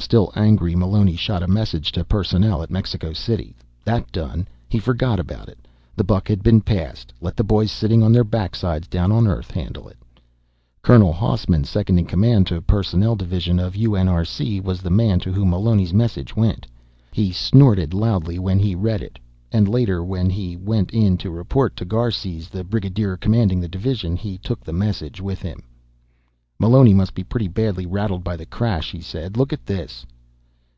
Still angry, Meloni shot a message to Personnel at Mexico City. That done, he forgot about it. The buck had been passed, let the boys sitting on their backsides down on Earth handle it. Colonel Hausman, second in command of Personnel Division of UNRC, was the man to whom Meloni's message went. He snorted loudly when he read it. And later, when he went in to report to Garces, the brigadier commanding the Division, he took the message with him. "Meloni must be pretty badly rattled by the crash," he said. "Look at this."